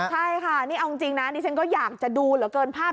ใช่ค่ะนี่เอาจริงนะดิฉันก็อยากจะดูเหลือเกินภาพ